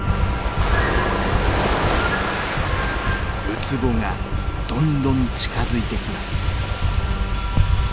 ウツボがどんどん近づいてきます。